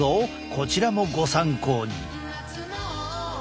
こちらもご参考に。